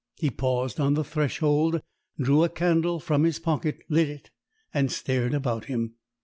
He paused on the threshold, drew a candle from his pocket, lit it, and stared about him.